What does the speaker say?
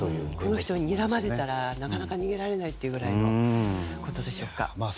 この人に襲われたらなかなか逃げられないということでしょうか。